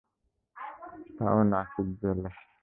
তাও নাসিক জেলে।